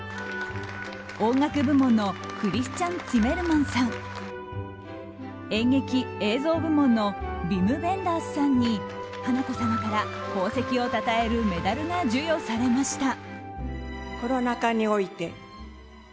音楽部門のクリスチャン・ツィメルマンさん演劇・映像部門のヴィム・ヴェンダースさんに華子さまから、功績をたたえるメダルが授与されました。